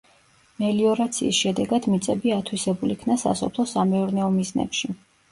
მელიორაციის შედეგად მიწები ათვისებულ იქნა სასოფლო-სამეურნეო მიზნებში.